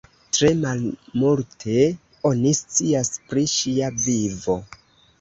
Tre malmulte oni scias pri ŝia vivo.